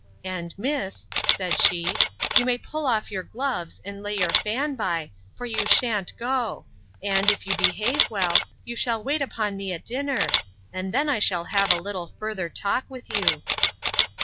And, miss, said she, you may pull off your gloves, and lay your fan by, for you shan't go; and, if you behave well, you shall wait upon me at dinner, and then I shall have a little further talk with you.